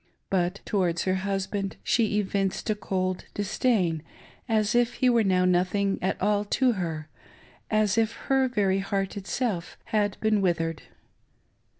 But towards her husband she evinced a cold dis dain, as if he were now nothing at all to her — as if her very heart itself had been withered.